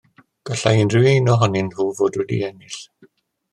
Gallai unrhyw un ohonyn nhw fod wedi ennill.